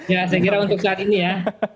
ya saya kira untuk saat ini ya